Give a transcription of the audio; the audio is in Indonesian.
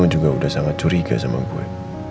dia juga udah sangat curiga sama gue